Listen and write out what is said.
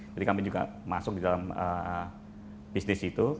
jadi kami juga masuk di dalam bisnis itu